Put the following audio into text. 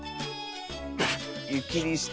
ゆきりして。